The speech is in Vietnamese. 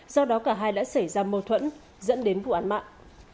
do đó cả hai đã xảy ra mâu thuẫn dẫn đến vụ án mạng